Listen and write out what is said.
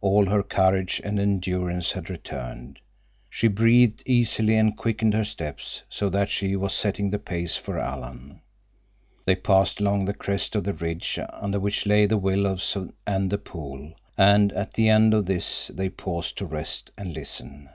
All her courage and endurance had returned. She breathed easily and quickened her steps, so that she was setting the pace for Alan. They passed along the crest of the ridge under which lay the willows and the pool, and at the end of this they paused to rest and listen.